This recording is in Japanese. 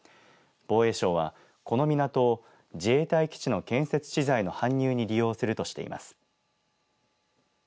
防衛省は、この港を自衛隊基地の建設資材の搬入に利用するとしています。